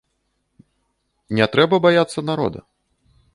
Не трэба баяцца народа.